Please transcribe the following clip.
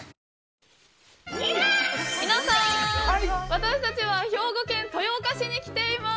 私たちは兵庫県豊岡市に来ています。